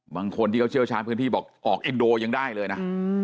บางคนที่เขาเชี่ยวชาญพื้นที่บอกออกอินโดยังได้เลยนะ